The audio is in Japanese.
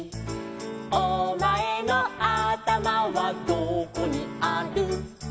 「お前のあたまはどこにある」